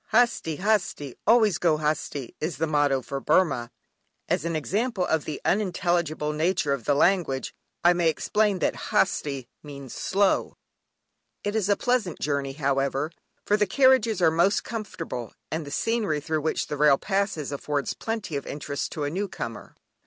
"Hasti, hasti, always go hasti" is the motto for Burmah. As an example of the unintelligible nature of the language I may explain that "Hasti" means "slow!" It is a pleasant journey however, for the carriages are most comfortable, and the scenery through which the rail passes affords plenty of interest to a new comer.